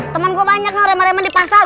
temen gua banyak noh reman reman di pasar